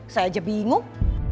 saya aja bingung